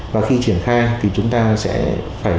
và khi triển khai thì chúng ta sẽ phải